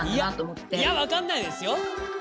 いや分かんないですよ。